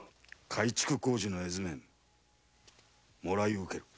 改築工事の絵図面もらい受ける。